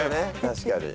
確かに。